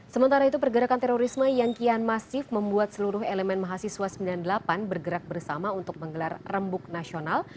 sementara itu pergerakan terorisme yang kian masif membuat seluruh elemen mahasiswa sembilan puluh delapan bergerak bersama untuk menggelar rembuk nasional